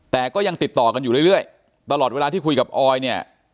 แต่ก็ยังติดต่อกันอยู่เรื่อยตลอดเวลาที่คุยกับออยเนี่ย